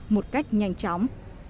một cách nhanh chóng